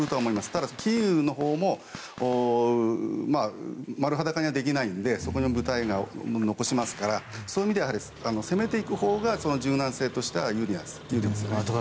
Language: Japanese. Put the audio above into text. ただ、キーウのほうも丸裸にはできないのでそこにも部隊を残しますからそういう意味で攻めていくほうが柔軟性としては有利だと思います。